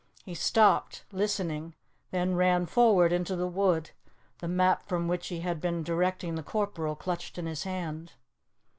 He stopped, listening, then ran forward into the wood, the map from which he had been directing the corporal clutched in his hand.